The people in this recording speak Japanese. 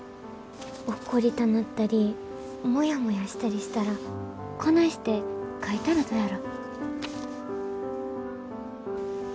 怒りたなったりモヤモヤしたりしたらこないして書いたらどやろ？